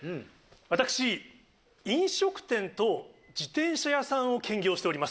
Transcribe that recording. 私飲食店と自転車屋さんを兼業しております。